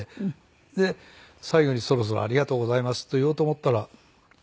で最後にそろそろ「ありがとうございます」と言おうと思ったら。